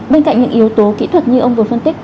bên cạnh những yếu tố kỹ thuật như ông vừa phân tích